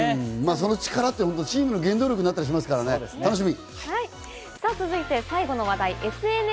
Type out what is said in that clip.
その力ってチームの原動力になったりしますから楽しみ。